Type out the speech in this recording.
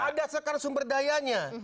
ada sekarang sumber dayanya